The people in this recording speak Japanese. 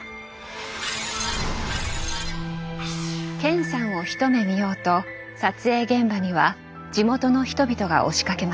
健さんを一目見ようと撮影現場には地元の人々が押しかけました。